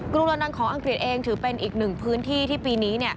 กรุงรานังของอังกฤษเองถือเป็นอีกหนึ่งพื้นที่ที่ปีนี้